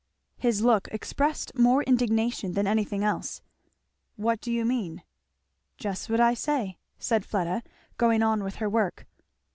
His look expressed more indignation than anything else. "What do you mean?" "Just what I say," said Fleda, going on with her work.